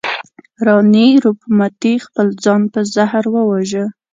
راني روپ متي خپل ځان په زهر وواژه.